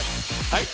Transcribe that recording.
「はい。